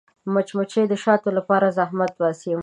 مچمچۍ د شاتو لپاره زحمت باسي